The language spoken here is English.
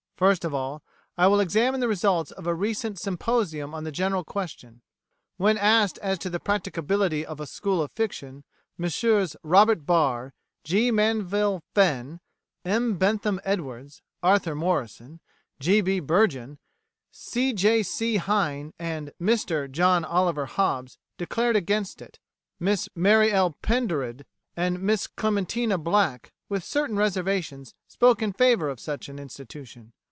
First of all, I will examine the results of a recent symposium on the general question.[1:A] When asked as to the practicability of a School of Fiction, Messrs Robert Barr, G. Manville Fenn, M. Betham Edwards, Arthur Morrison, G. B. Burgin, C. J. C. Hyne, and "Mr" John Oliver Hobbes declared against it; Miss Mary L. Pendered and Miss Clementina Black with certain reservations spoke in favour of such an institution.